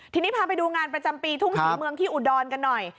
ทีนี้พาไปดูงานประจำปีทุ่งศรีเมืองที่อุดรกันหน่อย